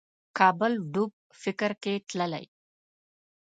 کابل ډوب فکر کې تللی